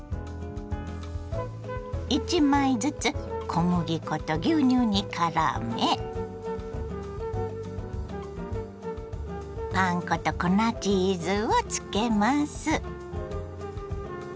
１枚ずつ小麦粉と牛乳にからめパン粉と粉チーズをつけます。